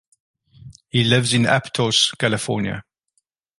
He lives in Aptos, California.